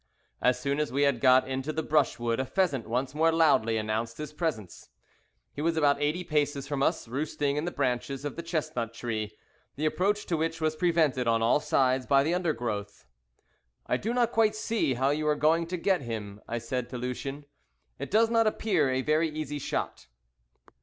As soon as we had got into the brushwood a pheasant once more loudly announced his presence. He was about eighty paces from us, roosting in the branches of the chestnut tree, the approach to which was prevented on all sides by the undergrowth. "I do not quite see how you are going to get him," I said to Lucien; "it does not appear a very easy shot."